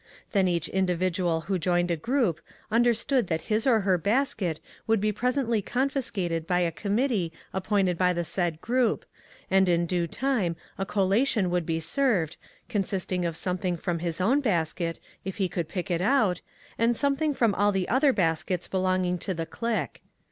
Then each individual who joined a group understood that his or her basket would be presently confiscated by a committee appointed by the said group, and in due time a collation would be served, consist ing of something from his own basket, if he could pick it out, and something from all the other baskets belonging to the clique.